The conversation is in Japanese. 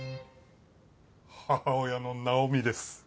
母親のナオミです。